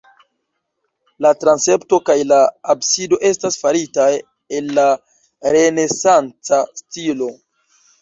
La transepto kaj la absido estas faritaj en la renesanca stilo.